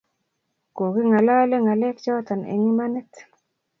Kokie ngalale ngalek chotok eng imanit